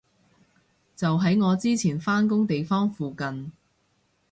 就喺我之前返工地方附近